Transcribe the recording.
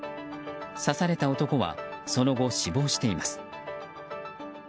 刺された男はその後、死亡しています。